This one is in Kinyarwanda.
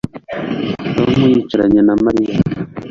Tom yicaranye na Mariya